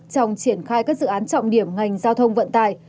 trong triển khai các dự án trọng điểm ngành giao thông vận tải